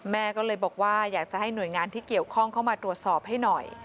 แม่ก็เลยบอกว่าอยากจะให้หน่วยงานที่เกี่ยวข้องเข้ามาตรวจสอบให้หน่อย